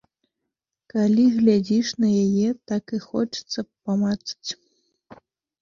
Калі глядзіш на яе, так і хочацца памацаць!